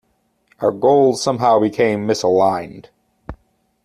Our goals somehow became misaligned.